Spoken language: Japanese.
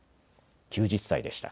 ９０歳でした。